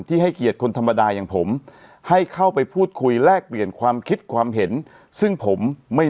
ให้เกียรติคนธรรมดาอย่างผมให้เข้าไปพูดคุยแลกเปลี่ยนความคิดความเห็นซึ่งผมไม่